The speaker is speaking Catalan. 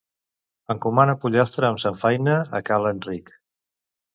Encomana pollastre amb samfaina a Ca l'Enric.